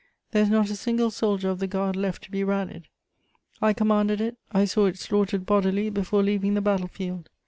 There is not a single soldier of the Guard left to be rallied: I commanded it; I saw it slaughtered bodily before leaving the battle field.